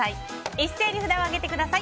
一斉に札を上げてください。